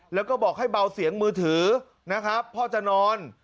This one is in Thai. แล้วก็บอกให้เบาเสียงมือถือนะครับพ่อจะนอน